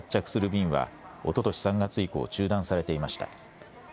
便はおととし３月以降、中断されていました。